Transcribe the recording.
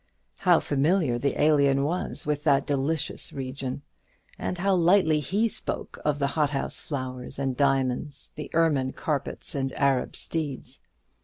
How familiar the Alien was with that delicious region; and how lightly he spoke of the hothouse flowers and diamonds, the ermine carpets and Arab steeds!